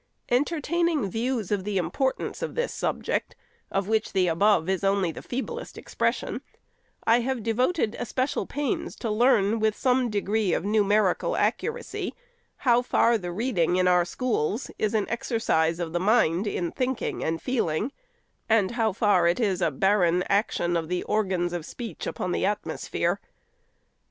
Entertaining views of the importance of this subject, of which the above is only the feeblest expression, I have devoted especial pains to learn, with some degree of numerical accuracy, how far the reading, in our schools, is an exercise of the mind in thinking and feeling, and 532 THE SECRETARY'S how far it is a barren action of the organs of speech upon the atmosphere.